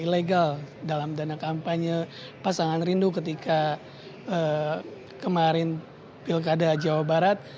ilegal dalam dana kampanye pasangan rindu ketika kemarin pilkada jawa barat